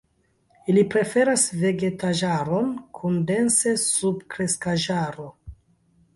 Ili preferas vegetaĵaron kun dense subkreskaĵaro.